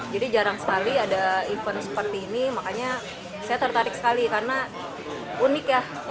jadi jarang sekali ada event seperti ini makanya saya tertarik sekali karena unik ya